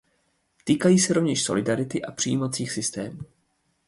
Týkají se rovněž solidarity a přijímacích systémů.